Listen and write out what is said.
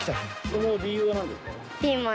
その理由は何ですか？